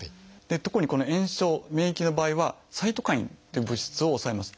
特に炎症免疫の場合はサイトカインっていう物質を抑えます。